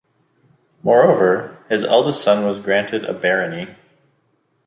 Moreover, his eldest son was granted a barony.